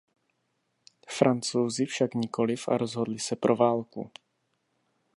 Francouzi však nikoliv a rozhodli se pro válku.